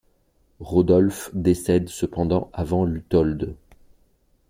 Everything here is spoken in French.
Rodolphe décède cependant avant Lüthold.